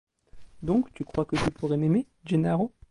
Donc tu crois que tu pourrais m’aimer, Gennaro ?